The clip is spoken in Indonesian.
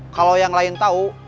kalo yang lain tau